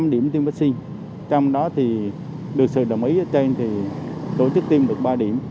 năm điểm tiêm vaccine trong đó thì được sự đồng ý ở trên thì tổ chức tiêm được ba điểm